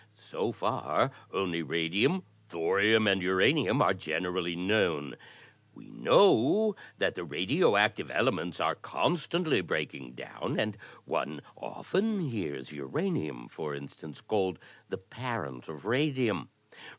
So far only raditun, thoritun, and uranium are generally known. We know that the radio active elements are constantly breaking down, and one often hears uranium, THE DETECTIVE 83 for instance, called the 'parent' of radium.